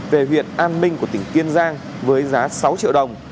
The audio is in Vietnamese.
về huyện an minh của tỉnh kiên giang với giá sáu triệu đồng